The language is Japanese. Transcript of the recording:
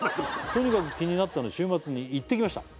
「とにかく気になったので週末に行ってきました」